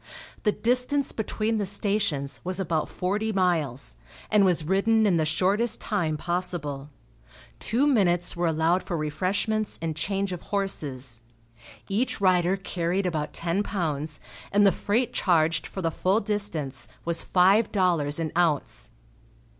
The distance between the stations was about forty miles, and was ridden in the shortest time possible. Two minutes were allowed for refreshments and change of horses. Each rider carried about ten pounds, and the freight charged for the full distance was five dollars an ounce.